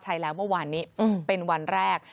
ใช้แล้วเมื่อวานนี้เป็นวันแรก